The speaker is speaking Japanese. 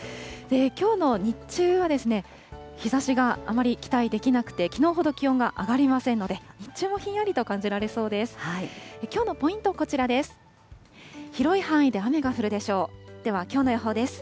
きょうの日中は、日ざしがあまり期待できなくて、きのうほど気温が上がりませんので、日中もひんやりと感じられそうです。